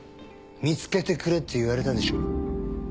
「見つけてくれ」って言われたでしょ？